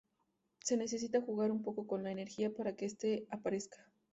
Se necesita jugar un poco con la energía para que este aparezca.